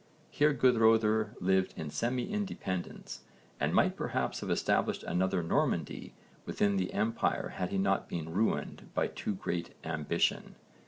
Here Guðröðr lived in semi independence and might perhaps have established another Normandy within the empire had he not been ruined by too great ambition.